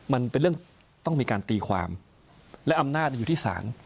มันเป็นเรื่องต้องมีการตีความและอำนาจอยู่ที่ศาล